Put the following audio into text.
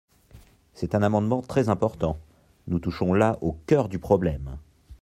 C’est un amendement très important : nous touchons là au cœur du problème.